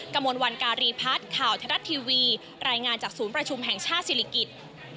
กระมวลวันการีพัฒน์ข่าวทรัฐทีวีรายงานจากศูนย์ประชุมแห่งชาติศิริกิจ